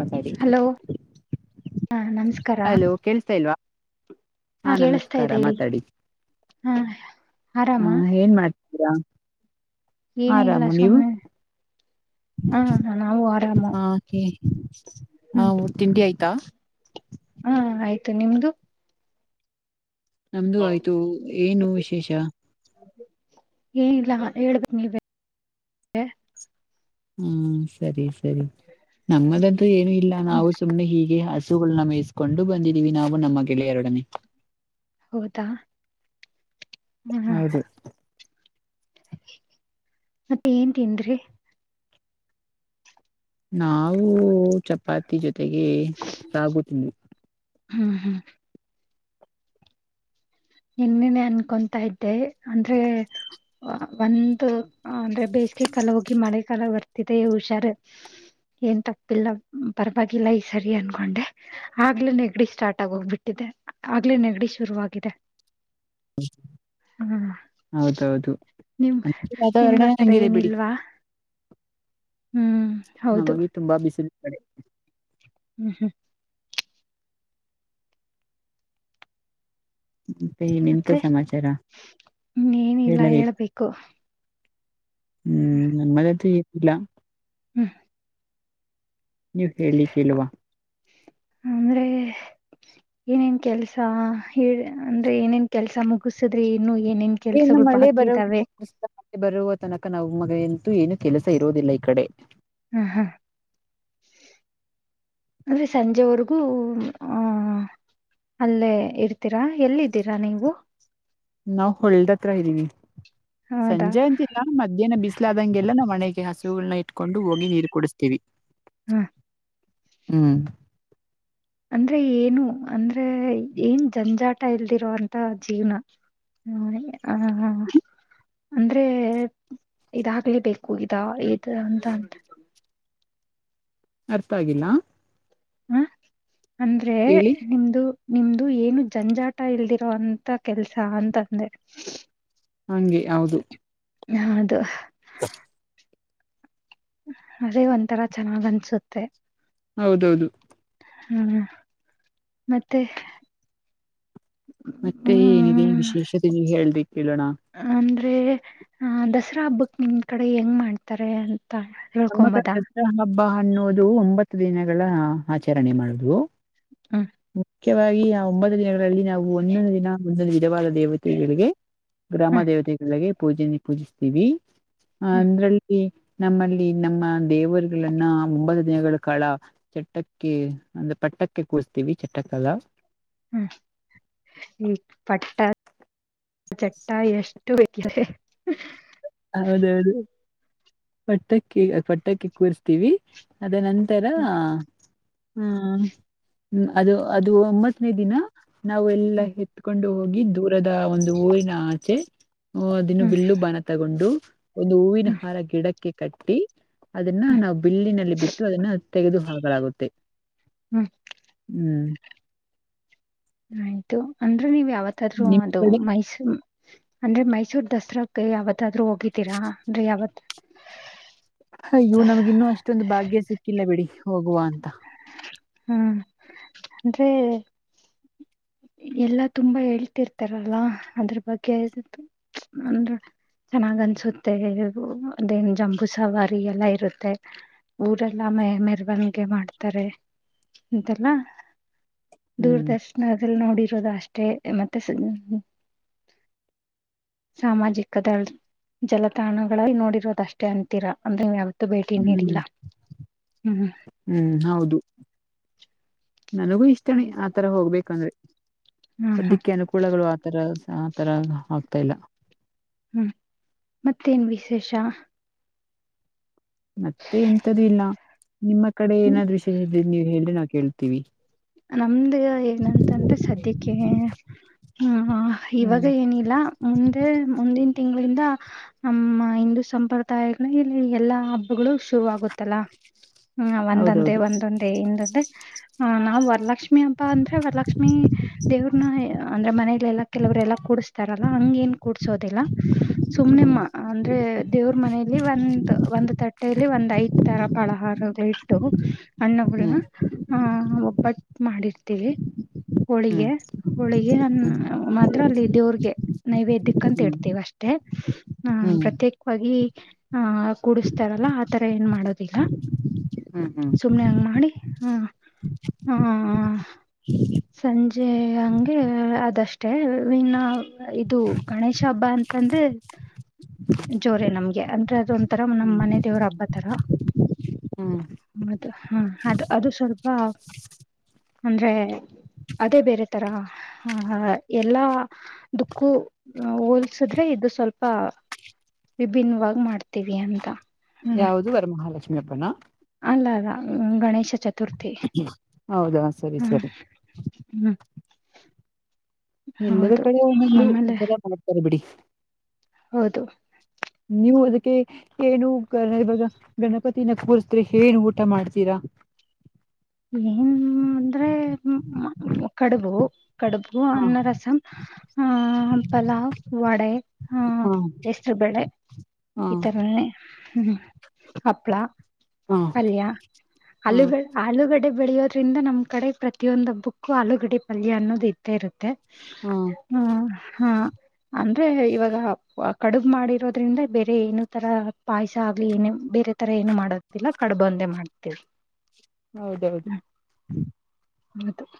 ಮಾತಾಡಿ ಹಲೋ. ಹಾ ನಮ. ಅಲೋ ಕೇಳಸ್ತಾ ಇಲ್ವಾ. ಹಾ ಕೇಳಿಸ್ತಾ ನಮಸ್ಕಾರ ಇದೆ ಹೇಳಿ ಮಾತಾಡಿ ಹಾ ಆರಾಮ ಆ ಏನ್ ಮಾಡ್ತ. ಹ. ಏನ ಇಲ್ಲ ಆರಾಮು ನೀವು. ಸುಮ್ನೆ ಹಾ ನಾವು ಆರಾಮ ಹಾ ಹ ಹ್ಮ್ ಹ ಊರು ತಿಂಡಿ ಆಯ್ತಾ. ಮ ನಿಮ್ದು. ನಮ್ದು ಆಯ್ತು ಏನು ವಿಶೇಷ. ಏನಿಲ್ಲ ಹೇಳೇಳ್ ಬರ್ಲ. ಹ್ಮ್ ಸರಿ. ಸರಿ ನಮ್ಮದ್ದು ಏನು ಇಲ್ಲ ಹ್ಮ್ ನಾವು ಸುಮ್ನೆ ಹೀಗೆ. ಹಸುಗಳನ್ನ ಮೇಯಿಸಕೊಂಡು ಬಂದಿದ್ದೀವಿ ನಾವು ನಮ್ಮ ಗೆಳ ಎರಡನೇ. ಹೌದಾ. ಹ್ಮ್ ಹ್ಮ. ಹೌದು ಮತ್ತ ಏನ್ ತಿಂದ್ರಿ. ನಾವು ಚಪಾತಿ ಜೊತೆ. ಜೆಗೆ ಸಾಗು ತಿಿಂದ. ಹ್ಮ್ ಹ್ಮ್. ಇನ್ನನೆ ಅನ್ಕೊತಾ ಇದ್ದೆ ಅಂದ್ರೆ ಒಂದು ಅಂದ್ರೆ ಬೇಸಿಗೆ ಕಾಲ ಹೋಗಿ ಮಳೆ ಕಾಲ ಬರ್ತಿದೆ ಹುಷಾರ ಏನ್ ತಪ್ಪಿಲ್ಲ ಪರವಾಗಿಲ್ಲ ಈ ಸರಿ ಅನ್ಕೊಂಡೆ ಆಗ್ಲೆ ನೆಗಡಿ ಸ್ಟಾರ್ಟ್ ಆಗ ಹೋಗ್ಬಿಟ್ಟಿದೆ ಆಗ್ಲೆೇ ನೆಗಡಿ ಶುರುವಾಗಿದೆ. ಹ್ಮ ಹೌದೌದು ನಿಮ್ ವಾತಾವರಣ ನಿಮ್ಗ ಆತರ ಹಂಗಿದೆ ಬಿಡಿ ಏನಿಲ್ವಾ ಹ್ಮ್ ಹೌದು ನಮಗೆ ತುಂಬಾ ಬಿಸಿಲು. ಅದ. ಹ್ಮ್ ಹ್ಮ್. ಮತ್ತೆ ಇನ್ನೆಂತ ಮತ್ತೆ ಸಮಾಚಾರ ಹ್ಮ ಏನಿಲ್ಲ ಹೇಳಬೇಕು ಹೇಳ್ಬೇಕು. ಹ್ಮ್ ಮತ್ತ. [unintelligible] ಇಲ್ಲ. ಹ್ಮ. ನೀವ್ ಹೇಳಿ ಕೇಳುವ. ಅಂದ್ರೆ ಏನೇನ್ ಕೆಲ್ಸ ಹೇಳ ಅಂದ್ರೆ ಏನೇನ್ ಕೆಲ್ಸ ಮುಗಸುದ್ರಿ ಇನ್ನು. ಏನೇನ್ ಇನ್ನು ಕೆಲ್ಸಗಳು ಮಳೆ ಬಾಕಿ ಬರುವ ಇದಾವೆ ಬರುವ ತನಕ ನಾವು. ಮಗ ಎಂತೂ ಏನು ಕೆಲಸ ಇರೋದಿಲ್ಲ ಈ ಕಡೆ. ಹ್ಮ್ ಹ್ಮ್ ಅಂದ್ರೆ ಸಂಜೆವರೆಗೂ ಆ ಅಲ್ಲೇ ಇರ್ತೀರಾ ಎಲ್ಲಿದ್ದೀರಾ ನೀವು. ನಾವವು ಹೊಳ್ಳದತ್ರ ಇದ್ದೀವಿ ಹೌದಾ ಸಂಜೆ ಅಂತಿಲ್ಲ ಮಧ್ಯಾಹ್ನ ಬಿಸ್ಲಾದಂಗೆಲ್ಲ ನಾ [unintelligible] ಒಣ ಹಾಸಸುಲ್ ಕೊಂಡು ಹೋಗಿ ನೀರು ಕುಡಿಸ್ತೀವಿ ಹ ಹ್ಮ್ ಅಂದ್ರೆ ಏನು ಅಂದ್ರೆ ಏನ್ ಜಂಜಾಟ ಇಲ್ದಿರೋ ಅಂತ ಜೀವ್ನ ಆಹ ಅಂದ್ರೆ ಇದಾಗ್ಲಿಬೇಕು ಇದ ಇ ಅಂತ ಅಂದ ಅರ್ಥ ಆಗಿಲ್ಲ ಹ ಅಂದ್ರೆ ಹೇಳಿ ನಿಮ್ದು ನಿಮ್ದು ಏನು ಜಂಜಾಟ ಇಲ್ದಿರೋ ಅಂತ ಕೆಲ್ಸ ಅಂತಂದೆ ಹಂಗೆ ಹೌದು ಹೌದು [inaudible] ಅದೇ ಒಂಥರ ಚೆನ್ನಾಗ್ ಅನ್ಸುತ್ತೆ ಹೌದೌದು ಹ್ಮ ಮತ್ತೆ ಮತ್ತೆ ಏನಿದೆ ಹ್ಮ್ ವಿಶೇಷತೆ ನೀವು ಹೇಳ್ಬೇಕ ಅಂದ್ರೆ ಆ ದಸರಾ ಹಬ್ಬ ನಿಮ್ಮ ಕಡೆ ಹೆಂಗ ಮಾಡ್ತಾರೆ ಅ ನಮ್ಮ ಕ [unintelligible] ಹಬ್ಬ ಅನ್ನೋದು ಒಂಬತ್ತು ದಿನಗಳ ಆಚರಣೆ ಮಾಡುದು ಹ್ಮ ಮುಖ್ಯವಾಗಿ ಆ ಒಂಬ ದಿನಗಳು ಗಳಲ್ಲಿ ನಾವು ಒಂದೊಂದು ದಿನ ಒಂದೊಂದು ವಿಧವಾದ ದೇವತೆಗಳಿಗೆ ಗ್ರಾಮ ಹ್ಮ್ ದೇವತೆಗಳಿಗೆ ಪೂಜೆನ ಪೂಜಿಸ್ತೀವಿ ಹ ಹ್ಮ್ ಅಂದ್ರಲ್ಲಿ ನಮ್ಮಲ್ಲಿ ಇಲ್ಲಿ ನಮ್ಮ ದೇವರುಗಳನ್ನ ಮುಂಬತ್ತು ದಿನಗಳ ಕಾಲ ಚಟ್ಟಕ್ಕೆ ಅಂದ್ರ ಪಟ್ಟಕ್ಕೆ ಕೂರ್ತೀವಿ ಚಟ್ಟ ಕಾಲ ಹ್ಮ್ ಈ ಪಟ್ಟ ಚಟ್ಟ ಎಷ್ಟು ಬೇಕಿದೆ ಹೌದ ಹೌದು ಪಟ್ಟಕ್ಕಿ ಪಟ್ಟಕ್ಕೆ ಕೂರಿಸ್ತೀವಿ ಅದ ನಂದ ತರ ಹ್ಮ್ ಹ್ಮ್ ಹ್ಮ ಅದು ಅದು ಮತ್ ಫ್ರೀ ದಿನ ನಾವ ಎಲ್ಲಾ ಹ್ಮ್ ಎತ್ಕೊಂಡು ಹೋಗ ಗಿಂದ ದೂರದ ಒಂದು ಹೂವಿನ ಆಚೆ ಹ ಅದನ್ನು ಹ್ಮ್ ಬಿಲ್ಲು ಬಾಣ ತಗೊಂಡು ಒಂದು ಹೂವಿನ ಹ್ಮ್ ಹಾರ ಗಿಡಕ್ಕೆ ಕಿ ಕಟ್ಟಿ ಅದನ್ನ ನಾವು ಬಿಲ್ಲಿನಲ್ಲಿ ಬಿಟ್ಟು ಅದನ್ನ ತೆಗೆದುಹಾಲಾಗುತ್ತೆ ಹ್ಮ್ ಹ್ಮ್ ಆಯ್ತು ಅಂದ್ರೆ ನೀವ್ ಯಾವ ಇವತ್ತಾದ್ರು ನಿಮ್ ಅದು ಕಡೆ ಮೈಸೂರು ಅಂದ್ರೆ ಮೈಸೂರ್ ದಸರಾಗ ಯಾವತ್ತಾದ್ರು ಹೋಗಿತೀರಾ ಅಂದ್ರೆ ಯಾವತ್ ಅಯ್ಯವು ನಮಗಿ ಇನ್ನೂ ಅಷ್ಟೊಂದು ಭಾಗ್ಯ ಸಿಕ್ಕಿಲ್ಲ ಬಿಡಿ ಹೋಗುವ ಅಂತ ಹ್ಮ ಅಂದ್ರೆ ಎಲ್ಲಾ ತುಂಬಾ ಹೇಳ್ತಿರ್ತಾರಲ್ಲ ಅದ್ರ ಬಗ್ಗೆ ಅಂದ್ರ ಚೆನ್ನಾಗ್ ಅನ್ಸುತ್ತೆ ಅದೇನ್ ಜಂಬೂ ಸವಾರಿ ಎಲ್ಲಾ ಇರುತ್ತೆ ಊರೆಲ್ಲಾ ಮ ಮೆರವಣಿಗೆ ಮಾಡ್ತಾರೆ ಅಂತೆಲ್ಲ ಹ್ಮ್ ದೂರದರ್ಶನ ನೋಡಿರೋದು ಅಷ್ಟೇ ಮತ್ತೆ ಸಾಮಾಜಿಕ ದ ಜಲತಾಣಗಳ ನೋಡಿರೋದಷ್ಟೇ ಅಂತೀರಾ ಅಂದ್ರೆ ನೀವ ಹ್ಮ್ ಹ್ಮ್ ಹೌದು ನನಗೂ ಇಷ್ಟನಿ ಹೌದು. ಆತರ ಹೋಗ್ಬೇಕಂದ್ರೆ ಹ್ಮ್ ಹ್ಮ್ ಸದ್ಯಕ್ಕೆ ಅನುಕೂಲಗಳು ಆತರ ಆ ತರ ಆಗ್ತಾ ಇಲ್ಲ ಹ್ಮ್ ಮತ್ತೇನ್ ವಿಶೇಷ ಮತ್ತೆ ಎಂತದ ಇಲ್ಲ ನಿಮ್ಮ ಕಡೆ ಹ್ಮ್, ಏನಾದ್ ವಿಷ ಇದ್ರಿ ನೀವು ಹೇಳ್ರಿ ನಾ ಕೇಳ್ತೀವಿ ನಮ್ದು ಏನಂತಂದ್ರೆ ಸದ್ಯಕ್ಕೆ ಹ್ಮ ಇವಾಗ ಹ್ಮ್ ಏನಿಲ್ಲ ಮುಂದೆ ಮುಂದಿನ ತಿಂಗಳ ನಮ್ಮ ಹಿಂದೂ ಸಂಪ್ರದಾಯ ಇಲ್ಲಿ ಎಲ್ಲಾ ಹಬ್ಬಗಳು ಶುರುವ ಆಗುತ್ತೆ ಇತ್ತಲ ಹ್ಮ ಒಂದೊಂದೇ ಹೌದೌದು ಒಂದೊಂದೇ [unintelligible] ಹ ನಾ ಬರ [unintelligible] ಲಕ್ಷ್ಮಿ ಹಬ್ಬ ಅಂದ್ರೆ ವರ ಲಕ್ಷ್ಮೀ ದೇವ್ರನ ಅಂದ್ರೆ ಮನ ಕೆಲವರೆಲ್ಲ [inaudible] ತರಲ್ಲ ಹಂಗ ಏನ್ ಕೂಡ್ಸೋದಿಲ್ಲ ಸುಮ್ನೆಮ್ಮ ಹ್ಮ್ ಅಂದ್ರೆ ದೇವ್ರ ಮನೇಲಿ ಒಂದ್ ಒಂದ್ ತಟ್ಟಲಿ ಒಂದ್ ಐದ್ ತರ ಪಳಹಾರ ಇಟ್ಟು [inaudible] ಅನ್ನ ಗುಡಿನ ಹ್ಮ್ ಆ ಒಬತ್ತು ಮಾಡಿರ್ತೇವೆ ಹೋಳಿಗೆ ಹ್ಮ್ ಹೋಳಿಗೆ ಅ ಹ್ಮ್ ಮಾತ್ರ ಅಲ್ಲಿ ದೇವ್ರಗೆ ನೈವೇದ್ಯಕ್ ಅಂತ ಹ್ಮ್ ಇಡ್ತೇವಿ ಅಷ್ಟೇ ಹ ಹ್ಮ್ ಪ್ರತ್ಯೇಕವಾಗಿ ಹ ಕೂಡಿಸ್ತಾರಲ್ಲ ಆತರ ಏನ್ ಮಾಡೋದಿಲ್ಲ ಹ್ಮ್ ಹ್ಮ್ ಸುಮ್ನೆ ಹಂಗ ಮಾಡಿ ಹ ಹ ಹಾ ಸಂಜೆ ಹಂಗೆ ಅದಷ್ಟೇ ವೆನ್ ಇದು ಗಣೇಶ ಹಬ್ಬ ಅಂತ ತದ್ರೆ ಜೋರೆ ನಮ್ಗೆ ಅಂದ್ರೆ ಅದೊಂದು ನಮ್ಮನೆ ದೇವ್ರ ಹಬ್ಬ ತರ ಹ್ಮ ಅದು ಹಾ ಅದು ಅದು ಸ್ವಲ್ಪ ಅಂದ್ರೆ ಅದೇ ಬೇರೆ ತರ ಆಹ ಎಲ್ಲಾ ದುಕ್ಕು ಹೋಲ್ಸಿದ್ರೆ ಇದು ಸ್ವಲ್ಪ ವಿಭಿನ್ನವಾಗಿ ಮಾಡ್ತೀವಿ ಅಂತ ಹ್ಮ್ ಯಾವುದು ವರಮಹಾಲಕ್ಷ [unintelligible] ಅಲ್ಲ ಅಲ್ಲ ಗಣೇಶ ಚತುರ್ಥಿ ಹೌದಾ ಸರಿ ಹ್ಮ್ ಸರಿ ಹ್ಮ್ ಎಲ್ಲರ ಹೌದು ಕಡೆ ಒಂದೊಂದು ಆಮೇಲೆ ಜರ ಮಾಡ್ತಾರೆ ಬಿಡಿ ಹೌದು ನೀವು ಅದಕ್ಕೆ ಏನು ಗ ಗಣಪತಿನ ಕೂರಸದ್ರೆ ಏನು ಊಟ ಮಾಡ್ತೀರಾ ಏನ್ ಅಂದ್ರೆ ಕಡುಬು ಕಡುಬು ಹಾ ಅನ್ನರಸಮ ಆ ಪಲಾವ್ ವಡೆ ಆ ಹಾ ಹೆಸರುಬೇಳೆ ಹಾ ಈತರನೇ ಹ್ಮ್ ಹಪ್ಪಳ ಹಾ ಅಲ್ಯ ಹಾ ಆಲೂಗಡೆ ಬೆಳೆಯೋದ್ರಿಂದ ನಮ್ ಕಡೆ ಪ್ರತಿಯೊಂದ ಹಬ್ಬಕ್ಕೂ ಆಲೂಗಡೆ ಪಲ್ಯ ಅನ್ನೋದು ಇದ್ದೇ ಇರುತ್ತೆ ಹಾ ಹಾ ಅ ಆದ್ರೆ ಇವಾಗ ಕಡುಬ ಮಾಡಿರೋದ್ರಿಂದ ಬೇರೆ ಏನು ತರ ಪಾಯಸ ಆಗ್ಲಿ ಏನೇ ಬೇರೆ ತರ ಏನು ಮಾಡೋದು ಲ್ಲ ಕಡ್ಬಂದೆ ಮಾಡ್ತೀವಿ ಹೌದೌದು ಹೌದು [inaudible]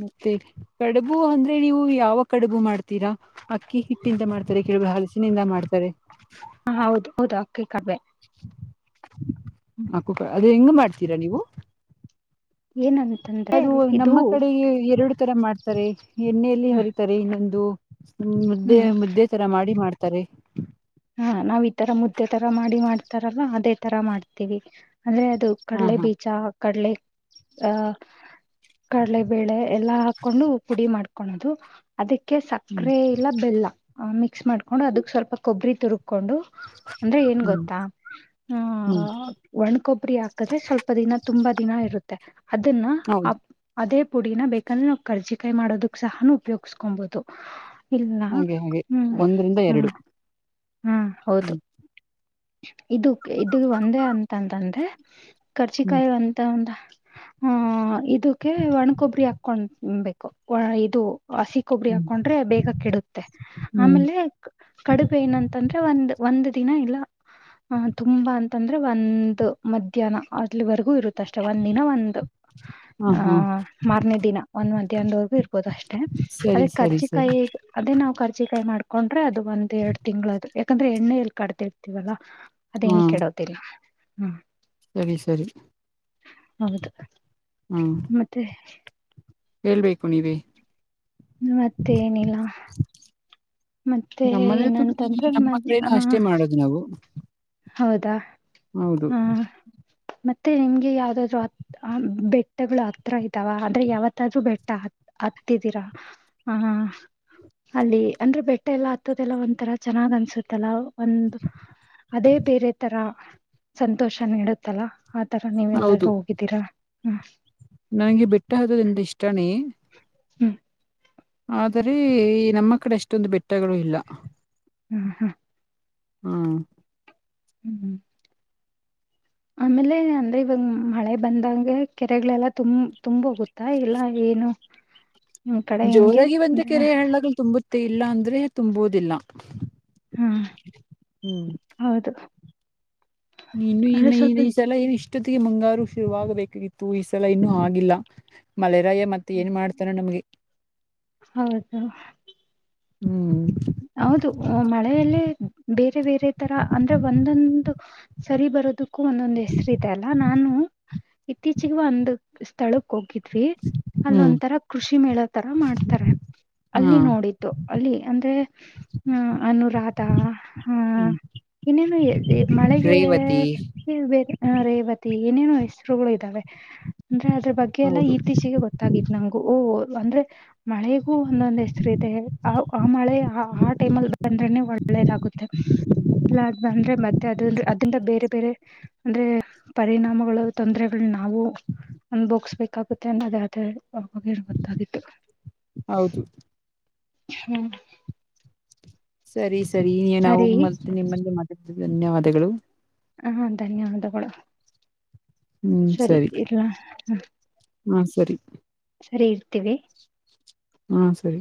ಮತ್ತೆ ಕಡುಬು ಅಂದ್ರೆ ನೀವು ಯಾವ ಕಡುಬು ಮಾಡ್ತೀರಾ ಅಕ್ಕಿ ಹಿಟ್ಟಿಂದ ಮಾಡ್ತಾರೆ ಕೆಲಬ ಹಲಸಿನಿಂದ ಮಾಡ್ತಾರೆ ಹ ಹೌದ ಹೌದಾ ಕೈಕಾರಬ [inaudible] [inaudible] ಹಾ ಕುೂ [inaudible] ಹೆಂಗ್ ಮಾಡ್ತೀರಾ ನೀವು ಏನನ್ ಅದು ನಮ್ಮ ಕಡೆಗೆ ಎರಡು ಈ ತರ ಮಾಡ್ತಾರೆ ಎಣ್ಣೆಯಲ್ಲಿ ಹ್ಮ್ ಹರಿತಾರೆ ಇನ್ನೊಂದು ಹ್ಮ ಮುದ್ದೆ ಹ್ಮ್ ಮುದ್ದೆ ತರ ಮಾಡಿ ಮಾಡ್ತ ಸರಿ ಹಾ ನಾವ್ ಈ ತರ ಮುದ್ದೆ ತರ ಮಾಡಿ ಮಾಡ್ತಾರಲ್ಲ ಅದೇ ತರ ಮಾಡ್ತೀವಿ ಅಂದ್ರೆ ಅದು ಹಾ ಕಡಲೆ ಹಾ ಬೀಜ ಕಡಲೆ ಆ ಕಡಲೆ ಬೇಳೆ ಎಲ್ಲಾ ಕೊಂಡು ಪುಡಿ ಮಾಡ್ಕೊೊಳ್ಳೋದು ಅದಕ್ಕೆ ಕೆ ಹ್ಮ್ ಸಕ್ಕರೆ ಇಲ್ಲ ಬೆಲ್ಲ ಮಿ ಮಿಸ್ ಮಾಡಕು ಅದಕ್ ಸ್ವಲ್ಪ ಕೊಬ್ಬರಿ ತುಪ್ ಕೊಂಡು ಅಂದ್ರೆ ಏನ್ ಹ್ಮ್ ಗೊತ್ತಾ ಆ ಹ್ಮ್ ಒಣಕೊಬ್ಬರಿ ಹಾಕಿದ್ರೆ ಸ್ವಲ್ಪ ದಿನ ತುಂಬಾ ದಿನ ಇರುತ್ತೆ ಅದನ್ನ ಹೌದು ಅದೇ ಪುಡಿನ ಬೇಕಂದ್ರೆ ನಾವು ಕರ್ಜಿಿಕಾಯಿ ಮಾಡೋದಕ್ ಸಹನು ಉಪಯೋಗ್ಸ್ಕೊಬಹುದು ಹಾಗೆ ಹಾಗೆ ಒಂದರಿಂದ ಎರಡು ಹ್ಮ ಹೌದು ಹ್ಮ್ ಇದು ಇದು ಒಂದೇ ಅಂತಂತಂದ ಹ ಹ್ಮ್ ಕರ್ಚಿಕಾಯಿ ಅಂತ ಉಟ ಹ ಇದಕ್ಕೆ ಒಣಕೊಬ್ಬರಿ ಹಾಕೊಬೇಕು ಇದು ಹಸಿ ಕೊಬ್ಬರಿ ಹ್ಮ್ ಹಾಕೊಂಡ್ರೆ ಬೇಗ ಕೆಡುತ್ತೆ ಹ್ಮ್ ಆಮೇಲೆ ಕಡುಬೆ ಏನಂತ [inaudible] ವಂದದಿನ ಇಲ್ಲಾ ಹ ತುಂಬಾ ಅಂತಂದ್ರೆ [inaudible] ಒಂದು ಮಧ್ಯಾಹ್ನ ಅರೆ ಇರುತ್ತ ಅಷ್ಟೆ ಒಂದ್ ದಿನ ಒಂದು ಹಾ ಆ ಹಾ ಮಾರ್ನೇ ದಿನ ಒಂದ್ ಮಧ್ಯ್ಯಾಂದವರೆಗೂ ಇರಬೋುದು ಅಷ್ಟೇ ಅದ ಸರಿ ಸರಿ ಸರಿ ಕರ್ಜಿಕಾಯಿ ಅದೇ ನಾವು ಕರ್ಜಿಕಾಯಿ ಮಾಡ ಅದು ಒಂದ್ ಎರಡ್ ತಿಂಗಳ ಯಾಕಂದ್ರೆ ಎಣ್ಣೆ ಎಲ್ಲಿ ಕಡ್ ಇರ್ತೀವಲ್ಲಾ ಹಾ ಅದೇನ್ ಕೇಳೋತೀರಿ ಹ್ಮ ಸರಿ ಸರಿ ಹೌದು ಹಾ ಮತ್ತೆ ಹೇಳ್ಬೇಕು ನೀವೇ ಮತ್ತೆ ಏನಿಲ್ಲ ಮತ್ತೆ ನಮ್ಮದ ಏನಂತಂದ್ರೆ ನಮ್ಮ ಮಕ್ಕಳನ ಅಷ್ಟೇ ಹ ಮಾಡೋದು ನಾವು ಹೌದಾ ಹೌದು ಹ ಮತ್ತೆ ನಿಮ್ಗೆ ಯಾವ್ದಾದ್ರು ಬೆಟ್ಟಗಳು ಹತ್ರ ಇದಾವ ಅಂದ್ರೆ ಯಾವತ್ತಾದ್ ಬೆಟ್ಟ ಹತ್ತಿದೀರಾ ಆಹ ಅಲ್ಲಿ ಅಂದ್ರೆ ಬೆಟ್ಟ ಎಲ್ಲಾ ಹತ್ತದೆಲ್ಲ ಒಂಥರ ಚೆನ್ನಾಗ್ ಅನ್ಸುತ್ತಲ್ಲ ಒಂದು ಅದೇ ಬೇರೆ ತರ ಸಂತೋಷ ನೀಡುತ್ತಲ ಆತರ ನೀವೆ ಹೌದು ಎಲ್ಲಾದ್ರೂ ಹೋಗಿದ್ದೀರಾ ಹಾ [inaudible] ನನಗೆ ಬೆಟ್ಟ ಹತ್ತೋದಂದ್ರೆ ಇಷ್ಟನೇ ಹ್ಮ್ ಆದರೆ ಈ ನಮ್ಮ ಕಡೆ ಎಷ್ಟೊಂದು ಬೆಟ್ಟಗಳು ಇಲ್ಲ ಹ್ಮ ಹಾ ಹ್ಮ ಹ್ಮ್ ಹ್ಮ್ [unintelligible] ಆಮೇಲೆ ಅಂದ್ರೆ ಇವಂಗ ಮಳೆ ಬಂದಾಗ ಕೆರೆಗಳೆಲ್ಲ ತುಂಬ ತುಂಬ ಹೋಗುತ್ತಾ ಇಲ್ಲ ಏನು ನಿಮ್ ಕಡೆ ಹೆಂಗೆ ಜೋರಾಗಿ ಬಂದ್ರ ಅಂದ್ರೆ ಕೆರೆ ಹಣ್ಣಗಳು ತುಂಬ ಮತ್ತೆ ಇಲ್ಲಾ ಅಂದ್ರೆ ತುಂಬೋುದಿಲ್ಲ ಹಾ [inaudible] ಹೌದು ನೀನು ಅಂದ್ರೆ ಇನ್ನನ್ ಸ್ವಲ್ಪ ಈ ಸಲ ಏನು ಜೊತೆಗೆ ಮುಂಗಾರು ಶುರುವಾಗಬೇಕಾಗಿತ್ತು ಈ ಸಲ ಇನ್ನೂ ಆಗಿಲ್ಲ ಮಳೆ ಗಯ ಮತ್ತ ಏನ್ ಮಾಡ್ತಾರ ನಮ್ಗೆ ಹೌದು ಹ್ಮ್ ಹೌದು ಮಳೆಯಲ್ಲ ಬೇರೆ -ಬೇರೆ ತರ ಅಂದ್ರೆ ಒಂದೊಂದು ಸರಿ ಬರೋದು ಕೂ ಒಂದೊಂದು ಹೆಸರು ಇದೆ ಅಲ್ಲ ನಾನು ಇತ್ತೀಚಗ ಒಂದು ಸ್ಥಳಕ್ ಹೋಗಿದ ಅಲ್ಲ ಒಂ ಹ್ಮ್ ತರ ಕೃಷಿ ಮೇಳೋ ತರ ಮಾಡ್ತಾರೆ ಹಾ ಅಲ್ಲಿ ನೋಡಿದ್ದು ಅಲ್ಲಿ ಅಂದ್ರೆ ಹ್ಮ ಅನುರಾಧ ಹಹ ಹ್ಮ್ ಇನ್ನೇನು ಮಳೆಗೆ ರೇವತಿ ಬೇರೆ ರೇವತಿ ಏನೇನು ಹೆಸರುಗಳು ಇದ್ದಾವೆ ಅಂದ್ರೆ ಅದ್ರ ಬಗ್ಗೆ ಎಲ್ಲಾ ಹೌದು ಇತ್ತೀಚೆಗೆ ಗೊತ್ತಾಗತ್ತು ನಂಗಗು ಓಹ ಅಂದ್ರೆ ಮಳೆಗೂ ಒಂದೊಂದ್ ಹೆಸರು ಇದೆ ಆ ಮಳೆ ಆ ಟೈಮ್ ಅಲ್ಲಿ ಬಂದ್ರೆನೆ ಒಳ್ಳೇದಾಗುತ್ತೆ ಮ ಅದಂದ್ರೆ ಅದರಿಿಂದ ಬೇರೆ -ಬೇರೆ ಅಂದ್ರೆ ಪರಿಣಾಮಗಳು ತೊಂದರೆಗಳ ನಾವು ಅನ್ಭೋಗ್ಸ್ಬೇಕಾಗುತ್ತೆ ಅನ್ನೋದ ಅದೇ ಗೊತ್ತಾಗಿತ್ತು ಹೌದು ಹ ಸರಿ ಸರಿ ನೀ ನಾವು ಮತ್ತೆ ನಿಮ್ಮ ಧನ್ಯವಾದಗಳು ಹಾ ಧನ್ಯವಾದಗಳು ಹ್ಮ್ ಸರಿ [inaudible] ಹ ಸರಿ ಸರಿ ಇರ್ತೀವಿ ಹಾ ಸರಿ